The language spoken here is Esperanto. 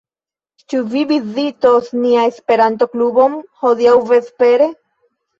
Ĉu vi vizitos nian Esperanto-klubon hodiaŭ vespere?